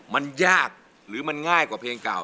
มันยากหรือมันง่ายกว่าเพลงเก่า